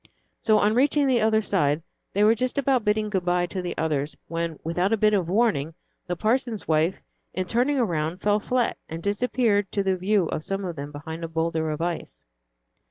So, on reaching the other side, they were just about bidding good by to the others, when, without a bit of warning, the parson's wife, in turning around, fell flat, and disappeared to the view of some of them behind a boulder of ice.